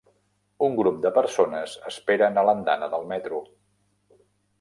Un grup de persones esperen a l'andana del metro